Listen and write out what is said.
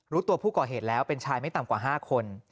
รู้ตัวผู้ก่อเหตุแล้วเป็นชายไม่ต่ำกว่า๕คน